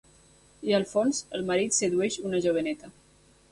I, al fons, el marit sedueix una joveneta.